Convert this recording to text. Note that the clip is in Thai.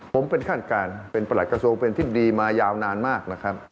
ผมเป็นขั้นการเป็นประหลักกระโสเป็นทิศดีมายาวนานมาก